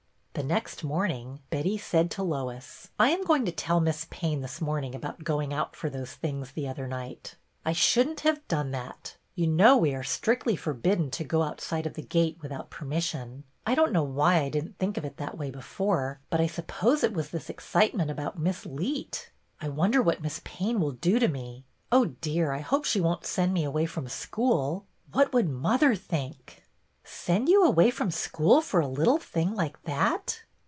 The next morning Betty said to Lois, —" I am going to tell Miss Payne this morning about going out for those things the other night. I should n't have done that. You know we are strictly forbidden to go outside of the gate without permission. I don't know why I did n't think of it that way before, but I suppose it was this excite ment about Miss Leet. I wonder what Miss Payne will do to me. Oh, dear, I hope she won't send me away from school. What would mother think !"" Send you away from school for a little thing like that!"